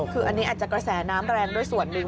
คืออันนี้อาจจะกระแสน้ำแรงด้วยส่วนหนึ่ง